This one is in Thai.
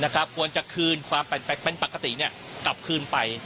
ควรจะคืนความเป็นปกติกลับคืนไป